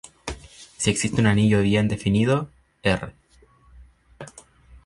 Si existe un anillo bien definido, "r".